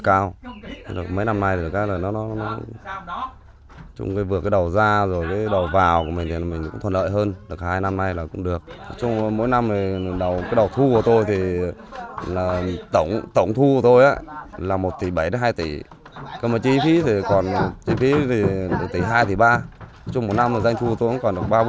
còn chi phí thì còn tỷ hai ba nói chung một năm doanh thu của tôi còn được ba bốn trăm linh